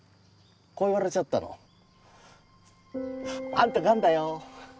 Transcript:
こう言われちゃったの。あんたがんだよ。